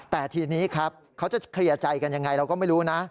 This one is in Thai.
แต่ทีนี้ครับเขาจะเคลียร์ใจกันยังไงเราก็ไม่รู้นะ